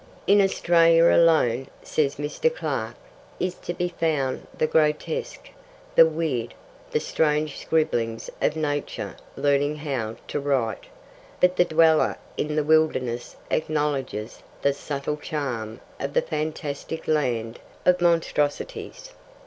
In Australia alone (says Mr. Clarke) is to be found the Grotesque, the Weird, the strange scribblings of nature learning how to write. But the dweller in the wilderness acknowledges the subtle charm of the fantastic land of monstrosities.